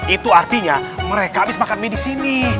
itu artinya mereka habis makan mie disini